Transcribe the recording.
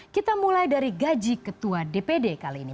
kita mulai dari gaji ketua dpd kali ini